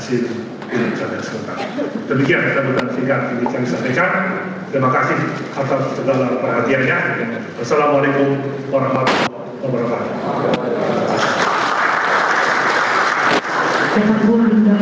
untuk menghasilkan pilihan jajaran sekolah